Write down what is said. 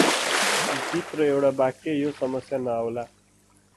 गीत र एउटा वाक्य यो समस्या नअाउला ।